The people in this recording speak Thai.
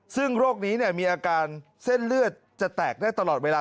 ซึ่งโรคนี้มีอาการเส้นเลือดจะแตกได้ตลอดเวลา